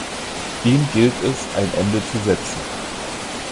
Dem gilt es ein Ende zu setzen.